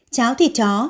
cháo thịt chó